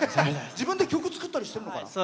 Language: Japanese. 自分で曲作ったりしてるのかな。